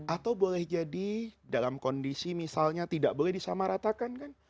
atau boleh jadi dalam kondisi misalnya tidak boleh disamaratakan kan